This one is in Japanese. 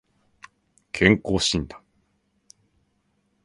健康診断